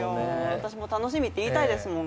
私も楽しみって言いたいですもん。